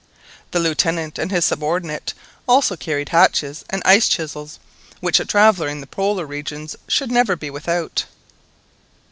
The Lieutenant and his subordinate also carried hatchets and ice chisels, which a traveller in the Polar regions should never be without.